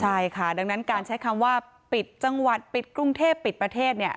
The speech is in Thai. ใช่ค่ะดังนั้นการใช้คำว่าปิดจังหวัดปิดกรุงเทพปิดประเทศเนี่ย